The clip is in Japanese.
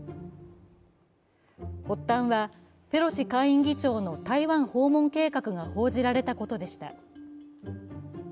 発端はペロシ下院議長の台湾訪問計画が報じられたことでした。